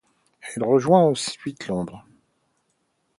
Elle rejoint ensuite Londres.